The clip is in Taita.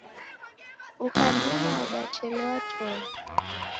Ukadumwa wadachelewa toe.